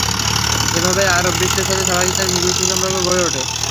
এভাবেই আরব বিশ্বের সাথে পাকিস্তানের নিবিড় সুসম্পর্ক গড়ে ওঠে।